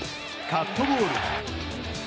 カットボール。